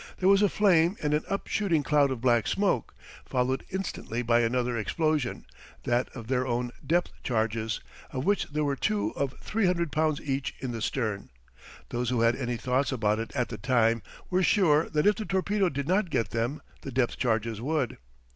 There was a flame and an up shooting cloud of black smoke, followed instantly by another explosion, that of their own depth charges, of which there were two of 300 pounds each in the stern. Those who had any thoughts about it at the time were sure that if the torpedo did not get them the depth charges would.